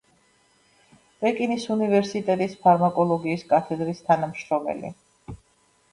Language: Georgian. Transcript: პეკინის უნივერსიტეტის ფარმაკოლოგიის კათედრის თანამშრომელი.